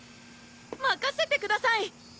まかせてください！